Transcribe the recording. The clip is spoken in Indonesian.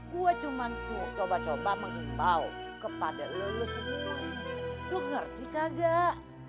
gue cuma tuh coba coba mengimbau kepada lo lo sendiri lo ngerti kagak